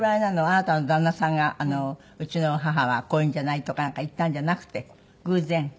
あなたの旦那さんが「うちの母はこういうんじゃない」とかなんか言ったんじゃなくて偶然？